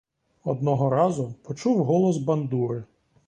Одного разу почув голос бандури.